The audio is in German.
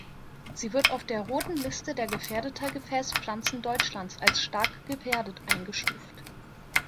Sie wird auf der Roten Liste der gefährdeter Gefäßpflanzen Deutschlands als stark gefährdet eingestuft.